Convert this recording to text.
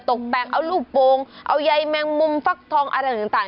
ตกแต่งเอาลูกโป่งเอาใยแมงมุมฟักทองอะไรต่าง